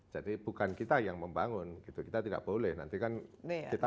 jadi bukan kita yang membangun gitu kita tidak boleh nanti kan kita